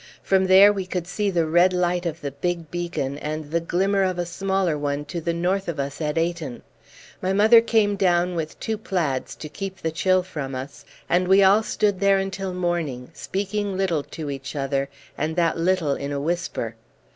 From there we could see the red light of the big beacon, and the glimmer of a smaller one to the north of us at Ayton. My mother came down with two plaids to keep the chill from us, and we all stood there until morning, speaking little to each other, and that little in a whisper.